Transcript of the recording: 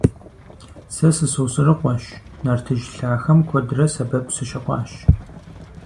Сэ сы-Сосрыкъуэщ; нартыжь лъахэм куэдрэ сэбэп сыщыхъуащ.